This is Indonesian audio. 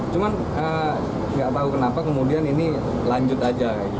cuman gak tau kenapa kemudian ini lanjut aja